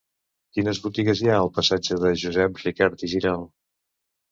Quines botigues hi ha al passatge de Josep Ricart i Giralt?